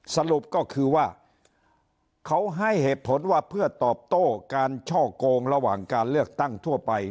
สรุปก็คือว่าเขาให้เหตุผลว่าเพื่อตอบโต้การช่อกงระหว่างการเลือกตั้งทั่วไป